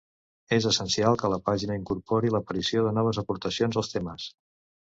És essencial que la pàgina incorpori l'aparició de noves aportacions als temes.